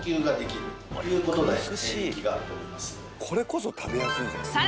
これこそ食べやすいんじゃないですかね。